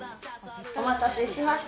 お待たせしました。